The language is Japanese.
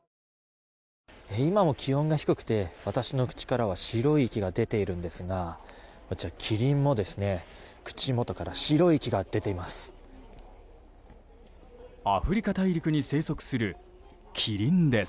今も気温が低くて私の口からは白い息が出ているんですがこちら、キリンも口元から白い息が出ています。